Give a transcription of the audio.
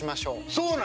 そうなの！